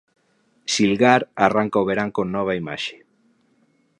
Silgar arranca o verán con nova imaxe.